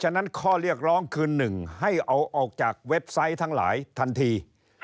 ฉะนั้นข้อเรียกร้องคือ๑ให้เอาออกจากเว็บไซต์ทั้งหลายทันที